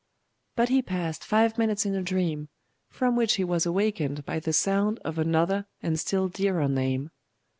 But he passed five minutes in a dream, from which he was awakened by the sound of another and still dearer name.